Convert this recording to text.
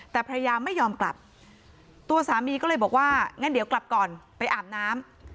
แต่ภรรยาไม่ยอมกลับตัวสามีก็เลยบอกว่างั้นเดี๋ยวกลับก่อนไปอาบน้ำ